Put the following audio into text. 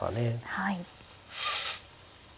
はい。